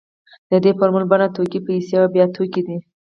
د دې فورمول بڼه توکي پیسې او بیا توکي ده